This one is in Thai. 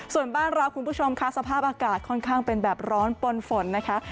ส่วนบ้านเราคุณผู้ชมค่ะสภาพอากาศค่อนข้างเป็นแบบร้อนปนฝนนะคะ